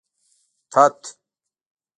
تت